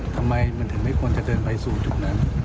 ทำไมมันถึงไม่ควรจะเดินไปสู่จุดนั้น